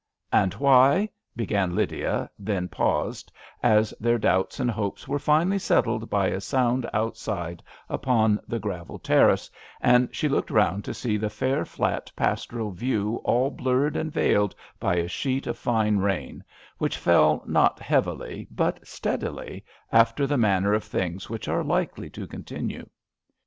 "And why "began Lydia, then paused, as their doubts and hopes were finally settled by a sound outside upon the gravel terrace, and she looked round to see the fair flat pastoral view all 1^4 ^ RAiinr 1)aVc blurred and veiled by a sheet of fine rain which fell not heavily but steadily^ after the manner of things which are likely to con tinue.